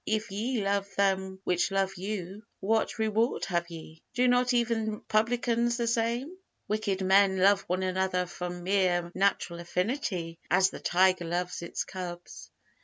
"If ye love them which love you, what reward have ye? do not even publicans the same?" Wicked men love one another from mere natural affinity, as the tiger loves its cubs.